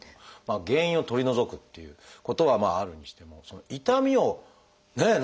原因を取り除くっていうことはあるにしても痛みをね